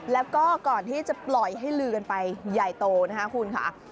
แล้วก็ก่อนที่จะปล่อยให้ลือกันไปใหญ่โตนะคะคุณค่ะ